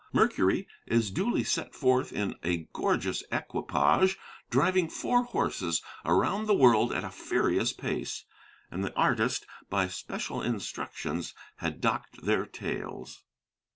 Mercury is duly set forth in a gorgeous equipage, driving four horses around the world at a furious pace; and the artist, by special instructions, had docked their tails.